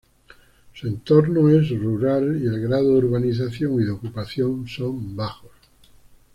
Su entorno es rural, y el grado de urbanización y de ocupación son bajos.